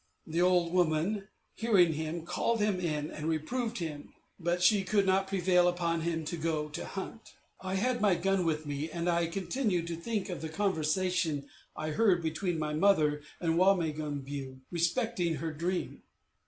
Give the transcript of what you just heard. The old woman, hearing him, called him in, and reproved him; but she could not prevail upon him to go to hunt. I had my gun with me, and I continued to think of the conversation I had heard between my mother and Wa me gon a biew respecting her dream.